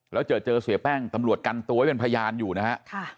แล้วเจอเสียแป้งตำรวจกันตัวไว้เป็นพยานอยู่นะฮะ